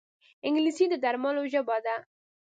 انګلیسي د درملو ژبه ده